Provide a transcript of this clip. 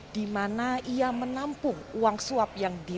di mana ia menampung uang suap yang diberikan